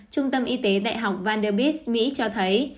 trung tâm y tế đại học vandebis mỹ cho thấy